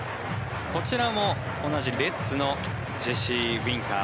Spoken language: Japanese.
こちらも同じレッズのジェシー・ウィンカー。